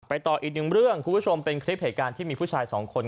ต่ออีกหนึ่งเรื่องคุณผู้ชมเป็นคลิปเหตุการณ์ที่มีผู้ชายสองคน